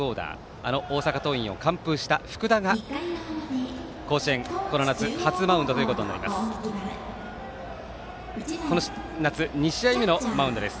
あの大阪桐蔭を完封した福田が甲子園この夏、２試合目のマウンドです。